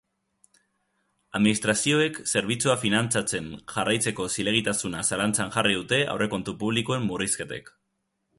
Administrazioek zerbitzua finantzatzen jarraitzeko zilegitasuna zalantzan jarri dute aurrekontu publikoen murrizketek.